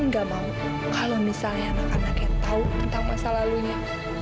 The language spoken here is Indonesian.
gak mau kalo misalnya anak anaknya tau tentang masa lalunya